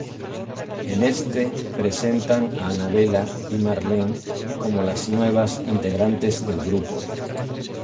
En este presentan a Anabella y Marlene como las nuevas integrantes del grupo.